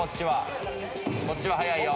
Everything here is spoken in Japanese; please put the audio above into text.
こっちははやいよ。